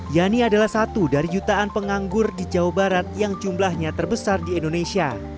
yani adalah satu dari jutaan penganggur di jawa barat yang jumlahnya terbesar di indonesia